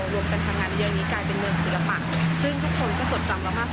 ได้ชื่อว่าเป็น๑ใน๓มงสินอยู่แล้วของประเภท